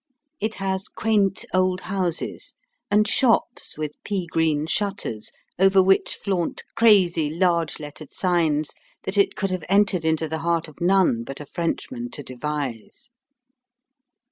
It has quaint old houses, and shops with pea green shutters, over which flaunt crazy, large lettered signs that it could have entered into the heart of none but a Frenchman to devise.